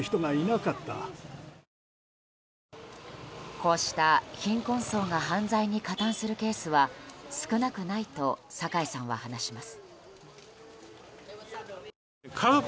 こうした貧困層が犯罪に加担するケースは少なくないと酒井さんは話します。